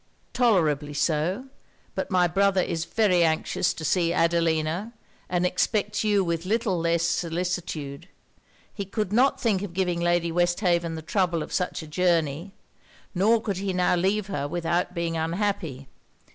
'Tolerably so. But my brother is very anxious to see Adelina; and expects you with little less solicitude. He could not think of giving Lady Westhaven the trouble of such a journey; nor could he now leave her without being unhappy.